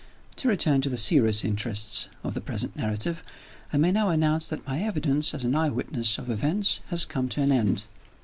To return to the serious interests of the present narrative, I may now announce that my evidence as an eye witness of events has come to an end.